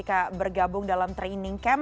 ketika bergabung dalam training camp